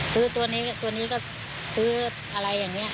ตัวนี้ตัวนี้ก็ซื้ออะไรอย่างนี้